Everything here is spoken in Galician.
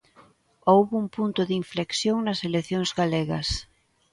Houbo un punto de inflexión nas eleccións galegas.